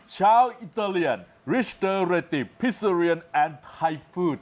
ชาวอิตาเลียนริชเดอร์เรติพิซาเรียนแอนไทฟืด